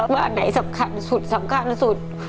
บ้านไหนสำคัญสุดสำคัญสุด